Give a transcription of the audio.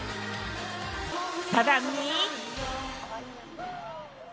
さらに。